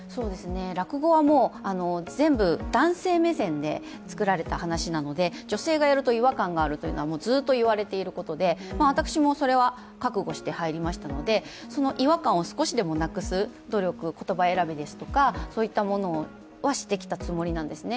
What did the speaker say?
落語は全部、男性目線で作られたはなしなので女性がやると違和感があるというのはずっといわれていることで私もそれは覚悟して入りましたのでその違和感を少しでもなくす努力、言葉選びですとか、そういったものはしてきたつもりなんですね。